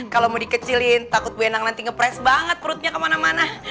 kalau mau dikecilin takut benang nanti ngepres banget perutnya kemana mana